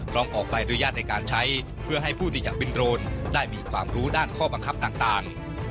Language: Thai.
ต้องออกใบอนุญาตในการใช้เพื่อให้ผู้ที่อยากเป็นโรนได้มีความรู้ด้านข้อบังคับต่าง